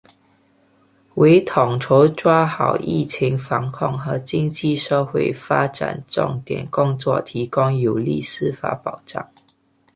为统筹抓好疫情防控和经济社会发展重点工作提供有力司法保障